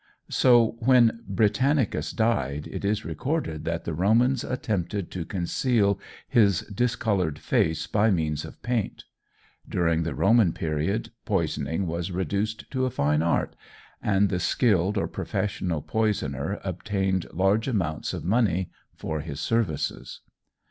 So when Britannicus died, it is recorded that the Romans attempted to conceal his discoloured face by means of paint. During the Roman period, poisoning was reduced to a fine art, and the skilled or professional poisoner obtained large amounts of money for his services.